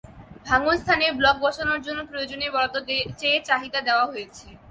ভাঙন স্থানে ব্লক বসানোর জন্য প্রয়োজনীয় বরাদ্দ চেয়ে চাহিদা দেওয়া হয়েছে।